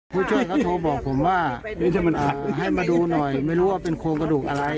ผู้ช่วยเขาโทรบอกผมว่าให้มาดูหน่อยไม่รู้ว่าเป็นโครงกระดูกอะไร